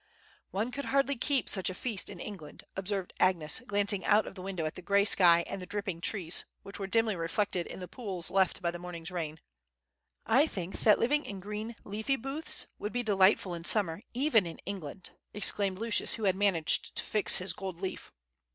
"One could hardly keep such a feast in England," observed Agnes, glancing out of the window at the gray sky and the dripping trees, which were dimly reflected in the pools left by the morning's rain. "I think that living in green leafy booths would be delightful in summer, even in England!" exclaimed Lucius, who had managed to fix his gold leaf.